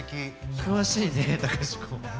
詳しいね隆子。